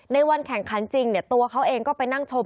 ในวันแข่งขันจริงตัวเขาเองก็ไปนั่งชม